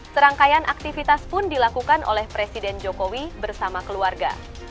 serangkaian aktivitas pun dilakukan oleh presiden jokowi bersama keluarga